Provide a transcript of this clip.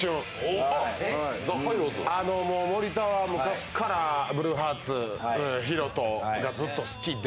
森田は昔からＢＬＵＥＨＥＡＲＴＳヒロトがずっと好きで。